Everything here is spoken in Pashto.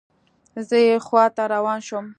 زه یې خواته روان شوم.